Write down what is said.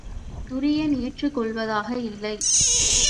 துரியன் ஏற்றுக் கொள்ளவதாக இல்லை.